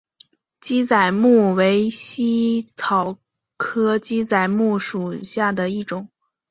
鸡仔木为茜草科鸡仔木属下的一个种。